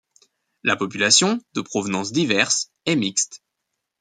La population, de provenance diverse, est mixte.